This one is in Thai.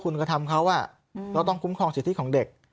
คุณกระทำเขาเราต้องคุ้มครองสิทธิของเด็ก